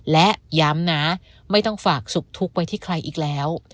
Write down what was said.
และย้ำนะไม่ต้องฝากสุขทุกข์ไปที่ใครอีกแล้ว